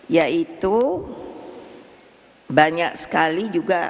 yaitu banyak sekali juga para pak